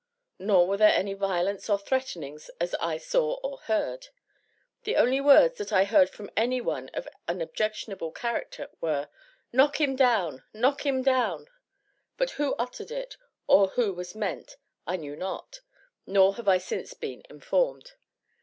Nor were there any violence or threatenings as I saw or heard. The only words that I heard from any one of an objectionable character, were: "Knock him down; knock him down!" but who uttered it or who was meant I knew not, nor have I since been informed.